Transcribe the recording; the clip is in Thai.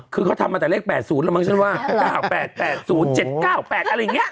คือเขาทำมาแต่เลข๘๐แล้วมั้งฉันว่า๙๘๘๐๗๙๘อะไรอย่างนี้